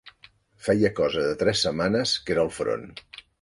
Feia cosa de tres setmanes que era al front